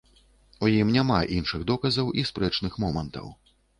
У ім няма іншых доказаў і спрэчных момантаў.